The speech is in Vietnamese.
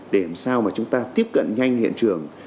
để làm sao mà chúng ta tiếp cận nhanh hiện trường